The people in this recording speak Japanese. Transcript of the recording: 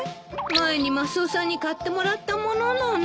前にマスオさんに買ってもらったものなの。